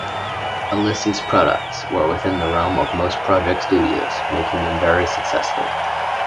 Alesis' products were within the realm of most project studios, making them very successful.